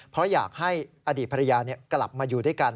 เพราะอยากให้อดีตภรรยากลับมาอยู่ด้วยกัน